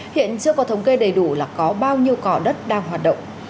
hiện chưa có thống kê đầy đủ là có bao nhiêu cỏ đất đang hoạt động